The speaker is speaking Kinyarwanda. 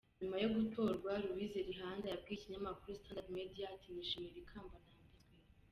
Nyuma yo gutorwa Loise Lihanda yabwiye ikinyamakuru Standard Media ati “Nishimiye iri kamba nambitswe.